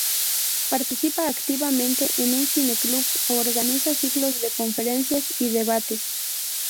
Participa activamente en un cineclub, organiza ciclos de conferencias y debates.